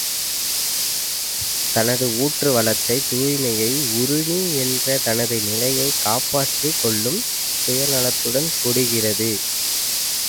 தனது ஊற்று வளத்தை, தூய்மையை, ஊருணி என்ற தனது நிலையைக் காப்பாற்றிக் கொள்ளும் சுயநலத்துடன் கொடுக்கிறது.